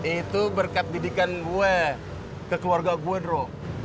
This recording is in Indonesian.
itu berkat didikan gue ke keluarga gue dro